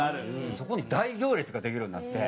そこに大行列ができるようになって。